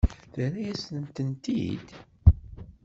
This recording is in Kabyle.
Terra-yasen-tent-id?